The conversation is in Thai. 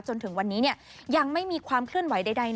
จนถึงวันนี้ยังไม่มีความเคลื่อนไหวใด